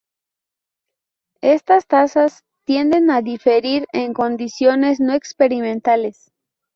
Estas tasas tienden a diferir en condiciones no experimentales.